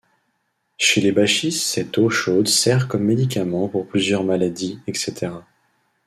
Chez les Bashis cette eau chaude sert comme médicaments pour plusieurs maladies etc.